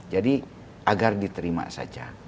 jadi agar diterima saja